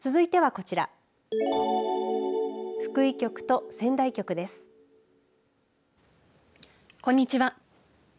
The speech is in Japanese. こんにちは。